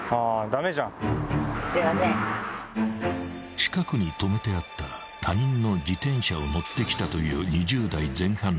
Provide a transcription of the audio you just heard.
［近くに止めてあった他人の自転車を乗ってきたという］